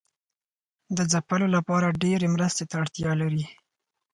د ځپلو لپاره ډیرې مرستې ته اړتیا لري.